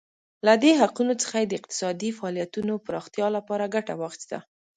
له دې حقونو څخه یې د اقتصادي فعالیتونو پراختیا لپاره ګټه واخیسته.